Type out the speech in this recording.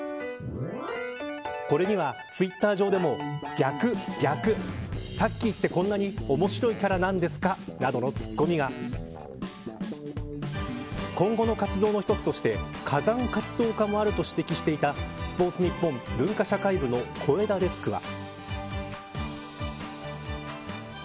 これにはツイッター上でも逆、逆タッキーって、こんなにおもしろいキャラなんですかなどのツッコミが今後の活動の一つとして火山活動家もあると指摘していたスポーツニッポン文化社会部の小枝デスクは。